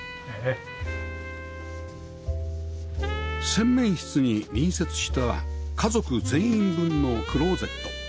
洗面室に隣接した家族全員分のクローゼット